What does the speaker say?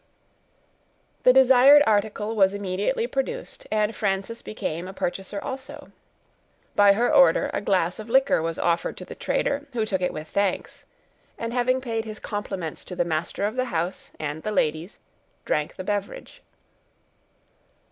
The desired article was immediately produced, and Frances became a purchaser also. By her order a glass of liquor was offered to the trader, who took it with thanks, and having paid his compliments to the master of the house and the ladies, drank the beverage.